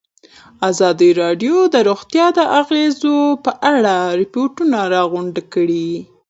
ازادي راډیو د روغتیا د اغېزو په اړه ریپوټونه راغونډ کړي.